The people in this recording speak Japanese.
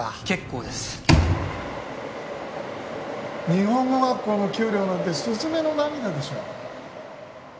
結構です日本語学校の給料なんてすずめの涙でしょう